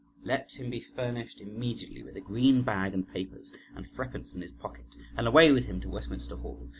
Let him be furnished immediately with a green bag and papers, and threepence in his pocket , and away with him to Westminster Hall.